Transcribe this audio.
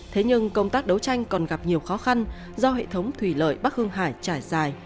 thế nhưng công tác đấu tranh còn gặp nhiều khó khăn do hệ thống thủy lợi bắc hương hải trải dài